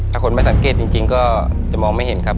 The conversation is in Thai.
ถ้าคนไม่สังเกตจริงก็จะมองไม่เห็นครับ